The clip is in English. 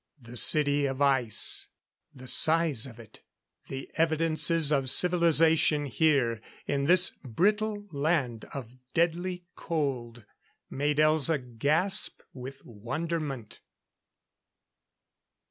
The City of Ice! The size of it the evidences of civilization here in this brittle land of deadly cold made Elza gasp with wonderment.